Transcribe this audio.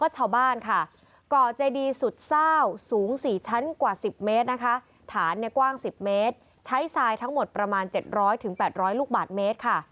ใช้ไซน์ทั้งหมดประมาณ๗๐๐๘๐๐ลูกบาทเมตร